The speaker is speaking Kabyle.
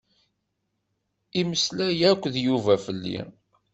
Imeslay-ak-d Yuba fell-i?